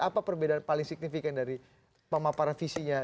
apa perbedaan paling signifikan dari pemaparan visinya